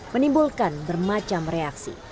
menimbulkan bermacam reaksi